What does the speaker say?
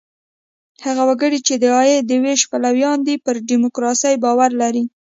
هغه وګړي، چې د عاید د وېش پلویان دي، پر ډیموکراسۍ باور لري.